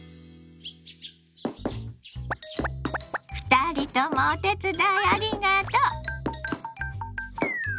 ２人ともお手伝いありがとう。